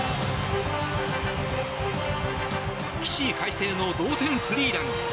起死回生の同点スリーラン。